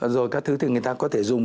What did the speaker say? rồi các thứ thì người ta có thể dùng